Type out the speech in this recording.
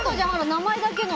名前だけの。